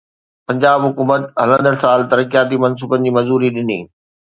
پنجاب حڪومت هلندڙ سال ترقياتي منصوبن جي منظوري ڏني